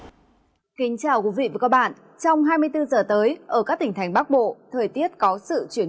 xin kính chào quý vị và các bạn trong hai mươi bốn giờ tới ở các tỉnh thành bắc bộ thời tiết có sự chuyển